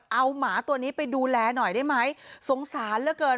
เอาหมาตัวนี้ไปดูแลหน่อยได้ไหมสงสารเหลือเกิน